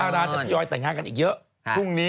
แน่นอน